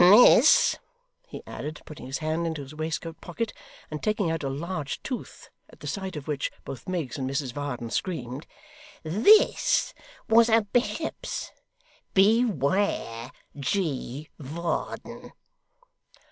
This,' he added, putting his hand into his waistcoat pocket, and taking out a large tooth, at the sight of which both Miggs and Mrs Varden screamed, 'this was a bishop's. Beware, G. Varden!